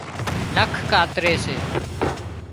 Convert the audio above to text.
نک ڪاتري سي